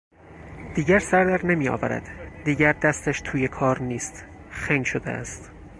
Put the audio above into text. دیگر سر در نمیآورد، دیگر دستش توی کار نیست، خنگ شده است.